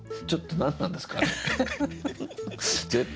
ちょっと何なんですかあの人。